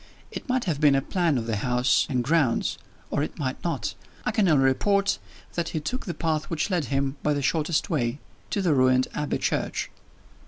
It might have been a plan of the house and grounds, or it might not I can only report that he took the path which led him, by the shortest way, to the ruined Abbey church.